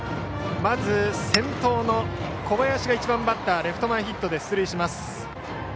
まず、先頭の小林が１番バッターレフト前ヒットで出塁します。